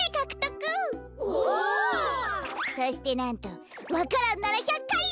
そしてなんとわか蘭なら１００かいよ！